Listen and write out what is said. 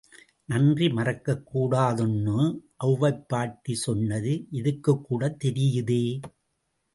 நன்றி மறக்கக்கூடாதுன்னு ஒளவைப் பாட்டி சொன்னது இதுக்குக்கூடத் தெரியுதே!